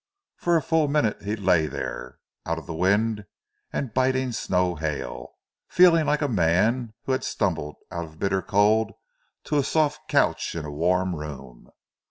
For a full minute he lay there, out of the wind and biting snow hail, feeling like a man who has stumbled out of bitter cold to a soft couch in a warm room.